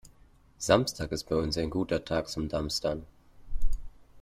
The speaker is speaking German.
Samstag ist bei uns ein guter Tag zum Dumpstern.